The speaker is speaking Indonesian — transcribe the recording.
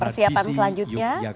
iya persiapan selanjutnya